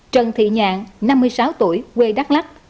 trần thị nhàn năm mươi sáu tuổi quê đắk lắc